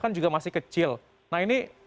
kan juga masih kecil nah ini